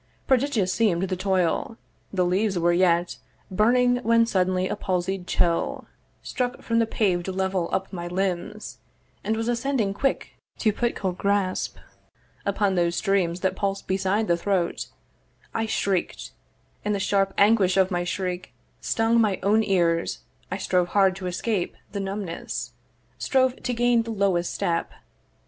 Prodigious seem'd the toil, the leaves were yet Burning when suddenly a palsied chill Struck from the paved level up my limbs, And was ascending quick to put cold grasp Upon those streams that pulse beside the throat: I shriek'd; and the sharp anguish of my shriek Stung my own ears I strove hard to escape The numbness; strove to gain the lowest step.